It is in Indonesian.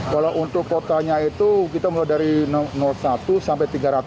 kalau untuk kuotanya itu kita mulai dari satu sampai tiga ratus